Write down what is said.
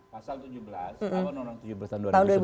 pasal tujuh belas tahun dua ribu tujuh belas